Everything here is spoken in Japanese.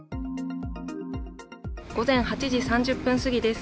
午前８時３０分過ぎです。